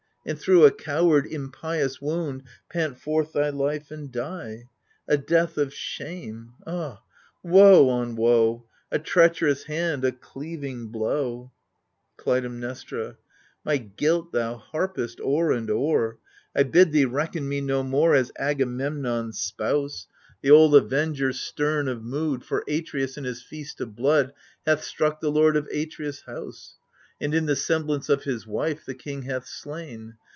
And thro' a coward, impious wound Pant forth thy life and die ! A death of shame — ah woe on woe ! A treacherous hand, a cleaving blow 1 Clytemnestra My guilt thou harpest, o'er and o'er ! I bid thee reckon me no more As Agamemnon's spouse. 70 AGAMEMNON The old Avenger, stern of mood For Atreus and his feast of blood, Hath struck the lord of Atreus* house, And in the semblance of his wife The king hath slain.